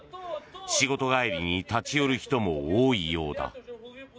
仕事帰りに立ち寄る人も多いようだ。